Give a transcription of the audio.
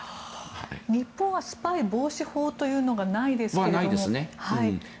日本はスパイ防止法というのがないですけども。